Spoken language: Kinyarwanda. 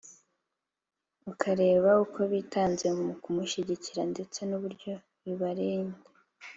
ukareba uko bitanga mu kumushyigikira ndetse n’uburyo bibarenga